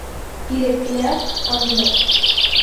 Il est clerc à Milan.